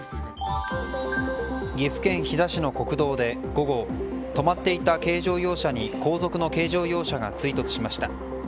岐阜県飛騨市の国道で午後止まっていた軽乗用車に後続の軽乗用車が追突しました。